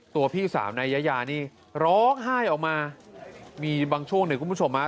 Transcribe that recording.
ตัวพี่สาวในยานี่ร้องไห้ออกมามีบางช่วงเนี่ยคุณผู้ชมฮะ